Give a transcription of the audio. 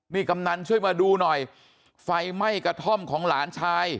นี่กำนันช่วยมาดูหน่อยไฟไหม้กระท่อมของหลานชาย